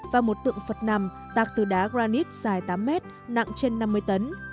và một tượng phật nằm tạc từ đá granite dài tám mét nặng trên năm mươi tấn